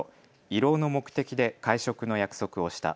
慰労の目的で会食の約束をした。